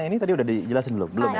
ini tadi udah dijelasin dulu belum